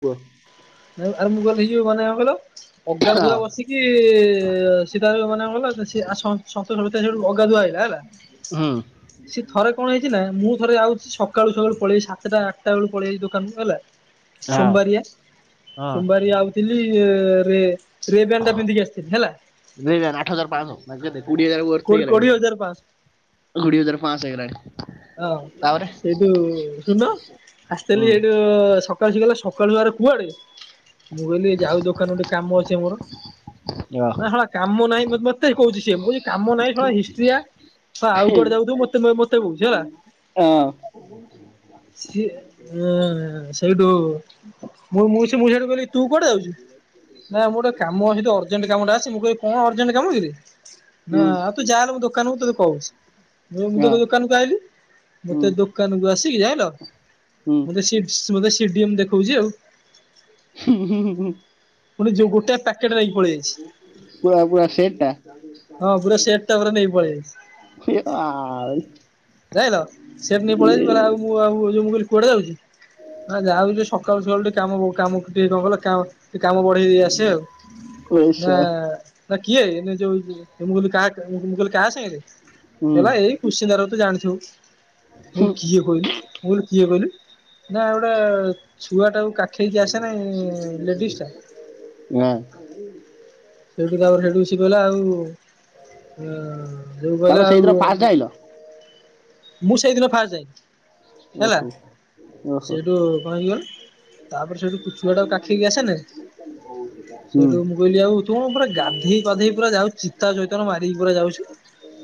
କୁହ। ଆ ମୁଁ କଲ [unintelligible] ହେଯିବ ମାନେ କଣ କହିଲ ଅଗାଧୁଆ ବସିକି ସୀତ ମାନ [unintelligible] ଗଲା ସଷୁ ଅଗାଧ [unintelligible] [unintelligible] ିଲ ହେଲା ହୁଁ ସି ଥରେ କଣ ହେଇଛି ନା ମୁଁ ଥରେ ଯାଉଛି ସକାଳୁ ସକାଳୁ ପଳେଇି ସାତଟା କେତେ ବେଳୁ ପଳେଇାଆଇଛି ଦୋକାନ ହେଲା ହଁ ସୋମବାରିଆ ହଁ ସୋମବାରିଆ ଆଉଥିଲି ରେ ରେବଣ୍ଡା ପିନ୍ଧିକି ଆସିଥିଲ ହେଲା। ଦୁଇ ହଜାର ଆଠ ହଜାର ପାଞ୍ଚଶହ ନା କେତେ କୋଡିଏ ହଜାର କୁ ବର୍ଷ କୋଡି ହେଇଗଲାଣି କୋଡିଏ ହଜାର ପାଞ୍ଚଶହ କୋଡିଏ ହଜାର ପାଁସ ହେଇଗଲାଣି। ହଁ ତାପରେ ସେଇଠୁ ଶୁଣ ଆସିଥିଲି ହୁଁ ସେଇଠୁ ସକାଳ ଗଲେ ସକ ସକାଳୁ କୁଆଡେ, ମୁଁ କହିଲି ଯାଉ ଦୋକାନ ଟିକେ କାମ ଅଛି ଆମର ହଁ ନା! ! ! ! ! ! ! ! ! ! କାମ ନାହିଁ ମତେ କହୁଛି ସିଏ ମୁଛି କାମ ନାହିଁ! ! ! ! ! ! ! ! ! ! ! ! ! ! ! ! ! ! ! ! ! ! ! ! ! ! ! ! ! ! ଆଉ କୁଆଡେ ଯାଉଛୁ ମତେ ମତେ କହୁଛି। [unintelligible] ବୁଝଲା ସିଏ ସେଇଠୁ ମୁଁ ମୁଁ ସେ [unintelligible] ମୁଝାଡୁ ଗଲି ତୁ କୁଆଡେ ଯାଉଛୁ? ନାଁ ମୁଁ ଗୋଟେ କାମ ଅଛିଠି ଅର୍ଜେଣ୍ଟ କାମ ଟା ଆସି ମୁଁ କ କଣ ଅର୍ଜେଣ୍ଟ କାମ କିରେ? ନା ହୁଁ ଆଉ ତୁ ଯା ମୁଁ ଦୋକାନକୁ ତତେ କହୁଛି ମୁଁ ତୋ ହଁ ଦୋକାନ ହୁଁ ମତେ ଦୋକାନକୁ ଆସିକି ଯାଇଲ ହୁଁ ମତେ [unintelligible] ମୋତେ ସିଡ଼ିଏମ୍ ଦେଖାଉଛି ଆଉ ହୁଁ ହୁଁ ହୁଁ ହୁଁ। ପୁଣି ଯୋଉ ପା ଗୋଟାଏ ପ୍ୟାକେଟ ନେଇକି ପଳେଇ ଯାଇଛି। ପୁରା ପୁରା ସେଟ୍ ଟା ନେଇ ପଳେଇ ଆସିଛି ଆଉ। ଯାଇଲ ସେଠି ନେଇ ପଳେଇ ଆଇଛି ଆଉ ମୁଁ ମୁଁ କହିଲି କୁଆଡେ ଯାଉଛି ନା ଯାହା ହଉଛି ସକାଳୁ ସକାଳୁ ଟିକେ କାମ କାମ ଟିକେ କଣ କ କାମ ଟିକେ କାମ ବଢେଇ ଦେଇ ଆସେ ଆଉ ପଇସା ନା କିଏ ଯୋଉଁ କା କହିଲି କାହା ସାଙ୍ଗରେ ହୁଁ ହେଲା ଏଇ [unintelligible] କୁିସିନ୍ଦା ତ ଜାଣିଛ। ମୁଁ ହଁ କହିଲି କିଏ କହିଲୁ ମୁଁ କହିଲି କିଏ କହିଲୁ? ନା ଗୋଟେ ଛୁଆ ଟା କାଖେଇକି ଆସେ ନାଇଁ ଲେଡିଜ ନାଁ। ସେଇଠୁ ତାପରେ ସେଇଠୁ ସେ କହିଲା ଆଉ ଯେକୁ ତମେ କହିଲା ସେଇଦିନ ଆଉ ଫାଷ୍ଟ [inaudible] ମୁଁ ସେଇଦିନ ଫାଷ୍ଟ ଯାଇି ହେଲା ଓହୋ ଓହୋ ସେଇଠୁ କଣ [unintelligible] ହେଇିଗଲେ? ସେଠୁ କୁ ଛୁଆ ଟାକୁ କାଖେଇକି ଆସେ ନାହିଁ ହୁଁ ସେଇଠୁ ମୁଁ କହିଲି ଆଉ ତୁ ପୁରା, ଗାଧେଇ ପାଧେଇ ପୁରା ଯାଉ, ଚିତା ଚୈତନ ମାରିକି ପୁରା ଯାଉଛି।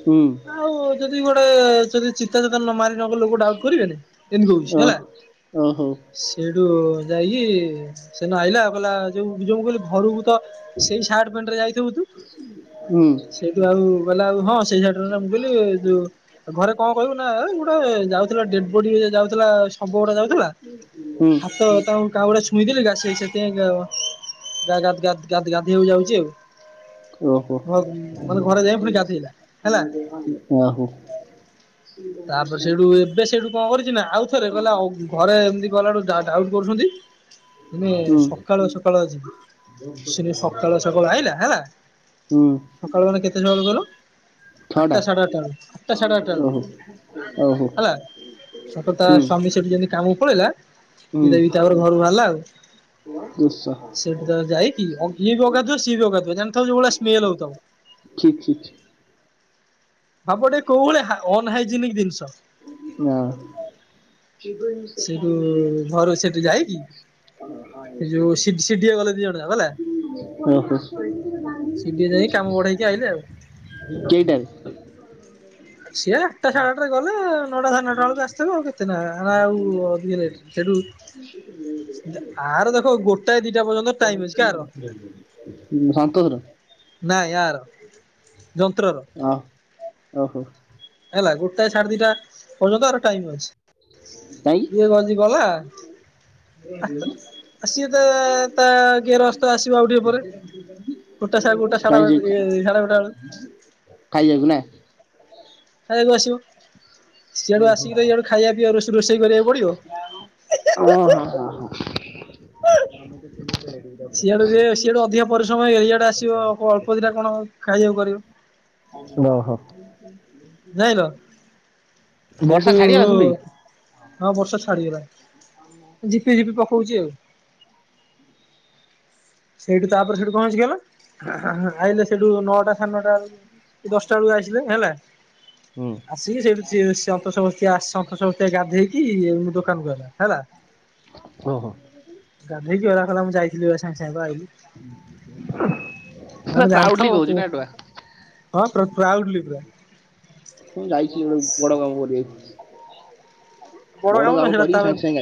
ହୁଁ ଆଉ ଯଦି ଦି ଗୋଟେ ଯଦି ଚିତା ଚିତା ନ ମାରି ନ ଗଲେ! ଲୋକ ଡାଉଟ୍ କରିବେନି। ଏମିତି କଉଛି ଓ ହେଲା। ଓହୋ ସେଠୁ ଯାଇକି, ସେ ନ ଆଇଲା ଆଉ କହିଲା, ଯୋଉ ଯୋଉ କହିଲି ଘରକୁ ତ ସେଇ ସାଟ୍ ପେଣ୍ଟ ରେ ଯାଇଥିବୁ ତୁ? ହୁଁ ସେଇଠୁ ଆଉ କଲା ଆଉ ହଁ, ସେଇ ସାଟ୍ ରେ, ମୁଁ କହିଲି ଯୋଉ ଘରେ କଣ କହିବୁ ନା ଏ ଗୁଟେ ଏ ଯାଉଥିଲା, ଡେଡ୍ ବଡି ଯାଉଥିଲା, ଶବଗଡେ ଯାଉଥିଲା। ହୁଁ ହାତ ତା ମୁଁ କାଉଡ଼ା ଛୁଇଁ ଦେଲି। ଯା ସେଇ ସେଥିଆଇଁ ଗା-ଗାଧ ଗାଧ ଗାଧ ଗାଧେଇଆକୁ ଯାଉଛି ଆଉ। ହଁ ଓହୋ! ମାନେ ଘରେ ଯାଇ ପୁଣି ଗାଧେଇଲା ହେଲା। ଆହୋ ତା'ପରେ ସେଇଠୁ ଏବେ ସେଇଠୁ କଣ କରିଛି ନା! ଆଉ ଥରେ କହିଲା, ଆଉ ଘରେ ଏମିତି ଗଲା ଠୁ ଡାଉଟ୍ କରୁସନ୍ତି। ଦିନେ ହୁଁ ସକାଳୁଆ, ସକାଳୁଆ ଯିବି। ସେନେ ସ ସକାଳ ସକାଳୁଆଇଲା ହେଲା। ହୁଁ ସକାଳୁ ମାନେ କେତେ ସକାଳୁ କଲୁ? ଛଅଟା ଆଟ୍ଟା ସାଢ଼େ ଆଟାଳୁ, ଆଟ୍ଟା ସାଢ଼େ ଆଟାଳୁ ଓହୋ ଓହୋ ହେଲା, ସତ ତା ହୁଁ ସ୍ୱାମୀ ସେଠି ଯେମିତି କାମକୁ ହୁଁ ଏଇଟା ବି ତାପରେ ଘରୁ ବାହାରଲା ଆଉ। ଦୁଶ ସେଠି ତ ଯାଇକି ଅ ଗାଧୁଆ ସିଏବି ଆଗାଧୁଆ ଜାଣିଥିବ, ଯଉଁଭଳିଆ ସ୍ମେଲ ହଉଥିବ ଠିକ୍ ଠିକ୍ ହବ, ଟିକେ କୋଉ ଭଳିଆ ଅନହାଇଜେନିକ ଜିନିଷ। ନାଁ। ଜୀବନ ସଫ ସେଇଠୁ ନି ଘରୁ ସେଠି ଯାଇକି ସେ ଯୋଉ ସିଡିଏ ଗଲେ ଦି ଜଣ ଯାକ ହେଲା। [inaudible] ଓ ହ! ସିଡିଏ ଯାଇ କାମ ବଢେଇକି ଆଇଲେ ଆଉ। କେଇଟାରେ? ସିଏ ଆଟ୍ଟା ସାଢେ ଆଟାରେ ଗଲେ-ଏ। ନଟା ସାଢନଟା ଅଳକୁ ଆସିଥିବେ ଆଉ। କେତେନା ଆଉ ଅଧିକ ରେଟ୍। ସେଠୁ ଆର ଦେଖ! ଗୋଟାଏ ଦି ଟା ପର୍ଯ୍ୟନ୍ତ ଟାଇମ୍ ଅଛି। କାର? ସନ୍ତୋଷର ନାଇଁ ୟାର, ଯନ୍ତ୍ରର। ଅ ଓହୋ ଗୋଟାଏ ସାଢେ ଦିଟା ପର୍ଯ୍ୟନ୍ତ ଆର ଟାଇମ୍ ଅଛି। କାଇଁ କିଏ ଗଜି ଗଲାଁ? [inaudible] ଆସିବେ ତ-ତା କିଏ ରସ୍ ଆସିବ ଆଉ ଟିଏ ପରେ। ଗୋଟା ସା ଗୋଟା ସଢା ଇଏ ଏଇ ସାଢ଼େ ଗୋଟାଆଳୁ ଖାଇଯିବାକୁ ନା ଖାଇଆକୁ ଆସିବ। ସିଆଡୁ ଆସିକି ତ ଇଆଡୁ ଖାଇବା ପିଇଆ ରୋଷ ଓ ହଁ ହଁ ହଁ। ସିଆଡୁ ଯେ! ସିଆଡୁ ଅଧିକ ପରିଶ୍ରମ ହେଇ, ଇଆଡେ ଆସିବ ଅଳ୍ପ ଦିଟା କଣ ଖାଇବାକୁ? କରିବ। ଓ ହୋ! [inaudible] ବର୍ଷା ସେଇଠୁ-ଉ ଛାଡିଗଲା ସୁଲେଇ ହଁ ବର୍ଷା ଛାଡିଗଲାଣି। ଝିପି ଝିପି ପକଉଛି ଆଉ। ସେଇଠୁ ତା'ପରେ ସେଇଠି କଣହେଇଛି କହିଲ? ଆଇଲେ ସେଠୁ ନଅଟା ସାଢ଼େ ନଅଟା ବେଳକୁ କି ଦଶଟା ବେଳକୁ ଆସିଲେ ହେଲା। ହୁଁ ଆସିକି ସେଠୁ ସିଏ ସନ୍ତୋଷ ବସ୍ତିଆ, ସନ୍ତୋଷ ବସ୍ତିଆ ଗାଧେଇକି, ଦୋକାନକୁ ଗଲା ହେଲା। ହଁ ଗାଧେଇକି ଗଲା। ଖଲା ମୁଁ ଯାଇଥିଲି ବା ଏ ସାଙ୍ଗେ ସାଙ୍ଗେ ଆଇଲି। ସେଟା ମାଡ ପ୍ରାଉଡଲି ଜାଣୁଥିବ। କହୁଛି କୋ ନା ଟୁଆ ହଁ। ପୁରା ପ୍ରାଉଡ଼୍ଲି ପୁରା। ମୁଁ ଯାଇଥିଲି। ଗୋଟେ ବଡ କାମ କରିବାକୁ। ବଡ ନୁହଁ କାମ ସେଇଟା କରି ତା ସାଙ୍ଗେ ସାଙ୍ଗେ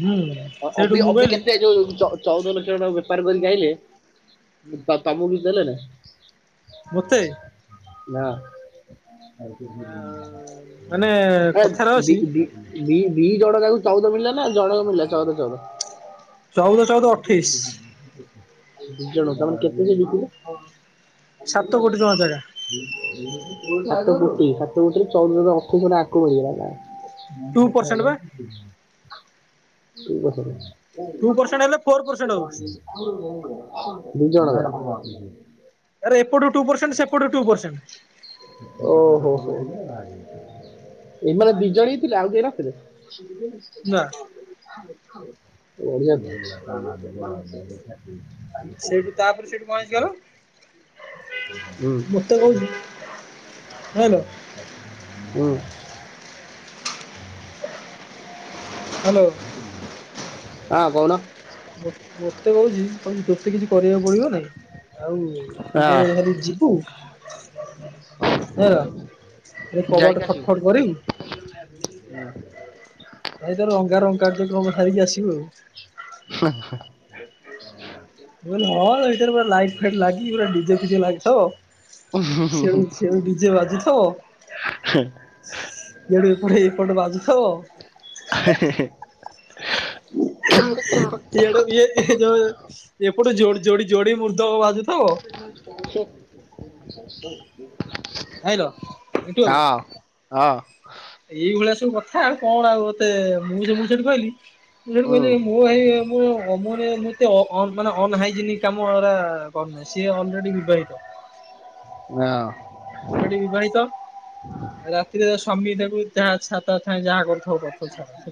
ହୁଁ ସେଇଠୁ ଅବି ମୁଁ ଅବି କହିଲି କେତେ! ଯୋଉ ଚଉଦ ଲକ୍ଷ ଟଙ୍କା ବେପାର କରିକି ଗାଇଲେ, ତା ତମକୁ କିଛି ଦେଲେନା! ମୋତେ? ମାନେ କଥାରେ ଅଛି ନା। ଦି ଦି ଜଣ ଯାହାକୁ ଚଉଦ ମିଳିଲା ନା ଜଣ ମିଳିଲା ଚଉଦ ଚଉଦ? ଚଉଦ ଚଉଦ ଅଠେଇଶ ଦୁ ଜଣ ତମ କେତେ ସେ ଜିତିଲେ? [inaudible] ସାତ କୋଟି ଟଙ୍କା ଜାଗା ସାତ କୋଟି ସାତ କୋଟି ଚଉଦ ଅଠେଇଶ ଆକୁ ମିଳିଲା ନା? ଟୁ ପରସେଣ୍ଟ ବା ଟୁ ପରସେଣ୍ଟ [unintelligible] ହେଲେ ଫୋର ପରସେଣ୍ଟ ହଉଛି। ଆରେ [inaudible] ଏପଟୁ ଟୁ ପର୍ସେଣ୍ଟ୍ ସେପଟରେ ଟୁ ପର୍ଷେଣ୍ଟ। ଓହୋ ହୋ ହୋ ଏଇ ମାନେ ଦିଜଣ ହିଁ ପିଲା ଆଉ କେହି ନଥିଲେ? ନା [unintelligible] ବଢିଆ । ସେଇଠୁ ତାପରେ ସେଇଠୁ କଣ ହେଇଚି କହିଲ, ହୁଁ ମତେ କହୁଛି ହ୍ୟାଲୋ ହୁଁ। ହ୍ୟାଲୋ। ହଁ କୋଉନ। ମୋ ମୋତେ କହୁଛି କୋଉ ଏତେ କିଛି କରିବାକୁ ପଡିବ ନାଇ, ଆଉ ତୁ ହଁ ତୋର ଖାଲି ଯିବୁ [unintelligible] ଏରେ ଯାଇକି କବାଟ ଆସିବୁ। ଖଟ ଖଟ କରି ଭାଇ ତାର ରଙ୍ଗାରଙ୍ଗ କାର୍ଯ୍ୟକ୍ରମ ସାରିକି ଆସିବୁ ଆଉ। [inaudible] ମୁଁ କହିନି ହଁ, ଏଇଥିରେ ପୁରା ଲାଇଟ୍ ଫାଇଟ୍ ଲାଗି ପୁରା ଡିଜେ ଫିଜେ ଲାଗିଥବ। ଡିଜେ ବାଜୁଚି। ହଁ ବ ସେଡୁ ଏଇପଟ ବାଜୁଥବ। [unintelligible] ଏଡ ଇଏ ଏଯୋଉ ଏପଟୁ ଯୋଡି ଯୋଡି ମୁର୍ଦଙ୍ଗ୍ ବାଜୁ [unintelligible] ଆଇଲ ଏନ୍ଥୁ ବାବୁ ହଁ ଏଇ ଭଳିଆ ସୁ କଥା ଆଉ କଣ ଆଉ ଏତେ ମୁଁ ସେ ମୁଁ ସେଠି କହିଲି, ମୁଁ ସେଠି ହୁଁ କହିଲି ମୁଁ ଏଇ ମୁଁ ଅ ମତେ ମତେ ମାନେ ଅନ ହାଇଜେନିକ କାମ ଏରା କରୁନେହିଁ ସେ ଅଲରେଡ଼ି ବିବାହିତ। ଆମର ଏଠି ବିବାହିତ, ରାତିରେ ସ୍ୱାମୀ ତାକୁ ଯାହା ଚ୍ଛା ତାହା ଯାହା କରୁଥାଉ। ତା ସ୍ୱାମୀ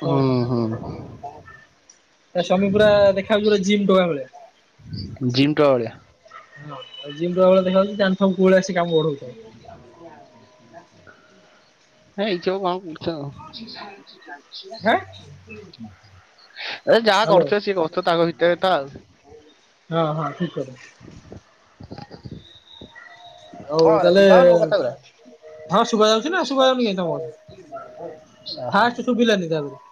ହଁ ହୁଁ ହୁଁ ପୁରା ଦେଖାହଉଚି ପୁରା ଜିମ୍ ଟୋକା ଭଳିଆ। ଜିମ୍ ଟୋକା ଭଳିଆ। ଜିମ୍ ଟୋକା ଭଳିଆ ଦେଖାହଉଛି, ଜାଣୁଥବୁ କୋଉଭଳିଆ ସେ କାମ ବଢଉଛି। [inaudible] ହେ ଏଇଛବ କଣ କରୁଛ ଆଉ। ହାଁ ଯାହା ହ୍ୟାଲୋ କରୁଥିବେ ସିଏ କରୁଥିବେ ତାଙ୍କ ଭିତରେ ତ ଆଉ। ହଁ ହଁ ଠିକ କଥା। ଆଉ କଣ ହେଲା ତାହେଲେ ଶୁଭା ହଉନି ମୋ କଥା ଗୁରା? ହଁ ଶୁଭା ଯାଉଛି ନା ଶୁଭା ଯାଉନି କାହିଁ, ତମ କଥା ଆଃ, ଫାଷ୍ଟ ଶୁଭିଲାନି ତାପରେ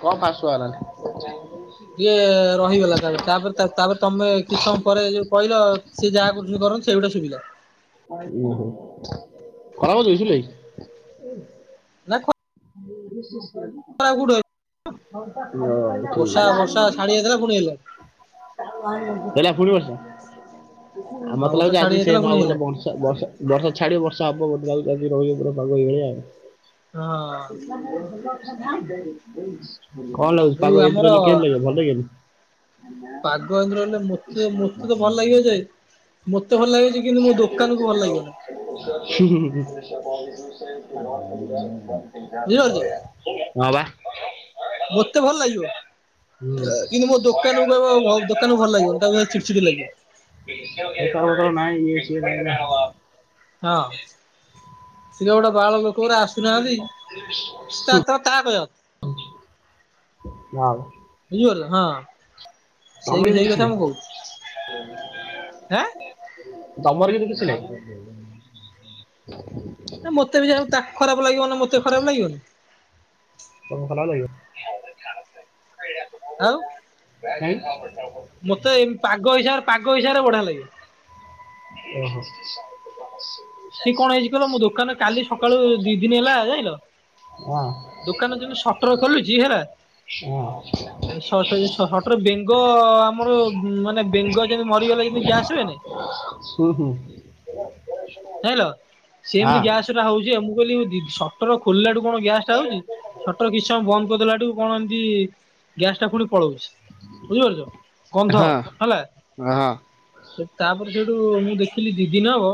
କଣ ଫାଷ୍ଟ ଶୁଭା ହେଲାନି। ଟିକେ ରହିଗଲା, ତାପରେ ତାପରେ ତାପରେ ତମେ କିଛି ସମୟ ପରେ ଯୋଉ କହିଲ ସିଏ ଯାହା କରୁଛନ୍ତି ସେଗୁଡା ଶୁଭିଲା। [unintelligible] ନା [inaudible] କୋଉଠି ହ ବର୍ଷା ଠିକ ଅଛି। ବର୍ଷା ଛାଡି ଯାଇଥିଲା ପୁଣି ହେଲାଣି ପିଲା ପୁଣି ବର୍ଷ ଆ ହଁ ମତେ ବର୍ଷା ଲାଗୁଚି, ଛାଡି ଆଜି ଯାଇଥିଲା ସେମ୍ ପୁଣି ହବ ହେଲାଣି ବର୍ଷା ବର୍ଷା ବର୍ଷା ଛାଡିବ ବର୍ଷା ହବ ବୋଧ୍ ପୁରା ଏଇ ଆଜି ରହିବ ପୁରା ପାଗ ଏଇଭଳିଆ ଆଉ। ହଁ ଅ। [unintelligible] କଣ ଲାଗୁଚି? ପାଗ ଏମିତି ଯୋଉ ରହିଲେ ଆମର କେମିତି ଲାଗିବ? ଭଲ ଲାଗିବନି। ପାଗ ଏମିତି ରହିଲେ ମୋତେ ମୋତେ ତ ଭଲ ଲାଗିବ ଯେ, ମୋତେ ଭଲ ଲାଗିବ ଯେ କିନ୍ତୁ ମୋ ଦୋକାନକୁ [unintelligible] ଭଲ ଲାଗିବନି ହୁଁ ହୁଁ ହୁଁ ହୁଁ। [inaudible] ବୁଝିପାରୁଛ ହଁ ବା। ମୋତେ ଭଲ ହୁଁ। ଲାଗିବ। କିନ୍ତୁ ମୋ ଦୋକାନକୁ ଆଉ [unintelligible] ଦୋକାନକୁ ଭଲ ଲାଗିବନି ତାକୁ ଚିଡ୍ ଚିଡ୍ ଲାଗିବ। ନାଇ ଇଏ ସିଏ। ହଁ ସେଟାଗୋଟେ। ବାଳ ଲୋକଗୁରା ଆସୁନାହାନ୍ତି। ସେ ତାଥର ତା କହିଆ କଥା। ନା। ହଁ। ବୁଝିପାରିଲ ହଁ। ତମେ ସେଇ କି ସେଇ କିଛି କଥା ମୁଁ ନାହିଁ କହୁଛି ଆଁ । ତମର ବି କିଏ କିଛ୍ ଛି ନାହିଁ। ଏ ମୋତେ ବି ଯାହାହଉ ତାକୁ ଖରାପ ଲାଗିବ ନା ମୋତେ ଖରାପ ଲାଗିବନି। ହଉ ଛ ଆଉ ଓହୋ ମୋତେ ଏମ୍ ପାଗ ହିସାବରେ ପାଗ ହିସାବରେ ବଢିଆ ଲାଗେ। ଓ ହୋ। ସିଏ କଣ ହେଇଚି କହିଲ ମୋ ଦୋକାନ କାଲି ସକାଳୁ ଦି ଦିନ ହେଲା ଯାଇଁଲ? ହଁ ଦୋକାନ ଯେମତି ସଟର୍ ଖୋଲିଚି ହେଲା ହଁ ଏ ସଟ୍ [unintelligible] ସଟରେର ବେଙ୍ଗ ଆମର ମାନେ ବେଙ୍ଗ ଯେମିତି ମରିଗଲେ ଏଇଖିନି ଗ୍ୟାସ ହୁଏନି। ହୁଁ ହୁଁ ଯାଇଁଲ ସେମତି ଗ୍ୟାସ ହଁ ଟା ହଉଚି ଆଉ ମୁ କୋଇଲି ମୁଁ ଦି ସଟର ଖୋଲିଲା ଠୁ କଣ ଗ୍ୟାସ୍ ଟା ହଉଚି। ସଟର କିଛି ସମୟ ବନ୍ଦ କରିଦେଲା ଠୁ କଣ ଏମତି? ଗ୍ୟାସ ଟା ଫୁଣି ପଳଉଚି ବୁଝିପାରୁଚ। ଗନ୍ଧ ହଁ ହେଲା। ହଁ ସେ ତାପରେ ସେଇଠୁ ମୁଁ ଦେଖିଲି ଦି ଦିନ ହବ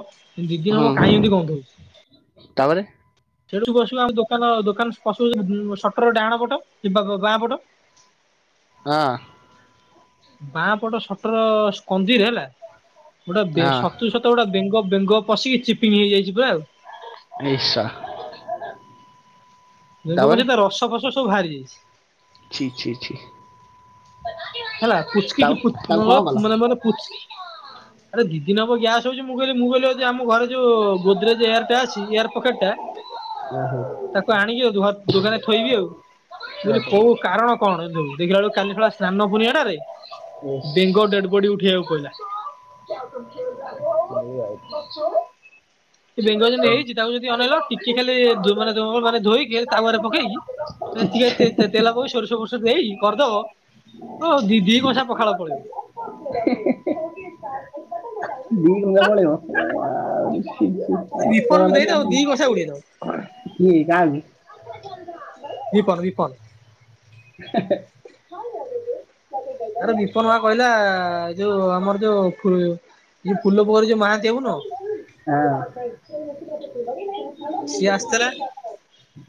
ଦି ଦିନ ହବ ହୁଁ କାଇଁ ଏମତି ଗନ୍ଧଉଚି। ତାପରେ ସେଉଠୁ ବସିବ ଆମ ଦୋକାନ ଦୋକାନ ପସୁ ପସୁ ଉଁ ସଟରର ଡାହାଣ ପଟ କିମ୍ବା ବାଁ ପଟ। ହଁ। ବାଁ ପଟ ସଟର ସ୍କନ୍ଦିରେ ହେଲା ଗୋଟେ ବେ ହଁ ସତୁକୁ ସତ ଗୋଟେ ବେଙ୍ଗ ବେଙ୍ଗ ପଶିକି ଚିପିଙ୍ଗ୍ ହେଇଯାଇଚି ପୁରା ଆଉ। ନିଶା। ବେଙ୍ଗ ପସି ତା ରସ ଫସ ସବୁ ଭାଆରି ଯାଇଛି। ଛି ଛିି ଛିି। ହେଲା ପୁଚକି କି ପୁଚ୍ କଣ କଲ [unintelligible] ମାନେ ମୋର ପୁଚ୍ ଆରେ ଦି ଦିନ ହବ ଗ୍ୟାସ୍। ତୁ ଭାବୁଚୁ ମୁଁ କହିଲି ମୁଁ କହିଲି ଆଉ ଯିଏ ଆମ ଘରେ ଯୋଉ ଗୋଦରେଜ ଏୟାର ଟା ଅଛି ଏୟାର ପକେଟ ଟା। ଓହୋ ତାକୁ ଆଣିକି ଆଉ ଘର୍ ଦୋକାନରେ ଥୋଇବି ଆଉ। ବୁଝିଲି କୋଉ କାରଣ କଣ ଏମତି ହଉଚି ଦେଖିଲା ବଳକୁ କାଲି ଶଳା ସ୍ନାନ କୁଣିଆଟାରେ ଇସ୍। ବେଙ୍ଗ ଡେଡ୍ ବଡି ଉଠେଇବାକୁ ପଇଲା। ସେ ବେଙ୍ଗ ଯେମତି ହେଇଚି ତାକୁ ଯଦି ଅନେଇଲ ଟିକେ ଖାଲି [unintelligible] ମାନେ ଧୋଇକି ହେଲେ ତାୱା ରେ ପକେଇକି? ଟିକେ ତେ ତେ ତେଲ ପକେଇ ସୋରିଷ ଫୋରିଷ ଦେଇ କରିଦବ। ଓ ଦି ଦି କଂସା ପଖାଳ ପଳେଇବ। ଦି କଂସା ପଳେଇବ [unintelligible] ଆଉ ଏ ବିପନୁ କୁ ଦେଇଦବୁ ଦି କଂସା ଉଡେଇଦବ। କିଏ କାହାକୁ ବିପନ ବିପନ ହେଁ ହେଁ। ଆରେ ବିପନ ମା କହିଲା, ଯୋଉ ଆମର ଯୋଉ ଯୋଉ ଫୁଲ ପୋଖରୀ ଯୋଉ ମାହାନ୍ତି ବାବୁ ହଁ ନୁହଁ [unintelligible] ସିଏ ଆସିଥିଲା।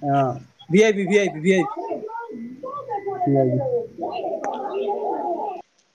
ହଁ V I P V I P V I EP. [inaudible]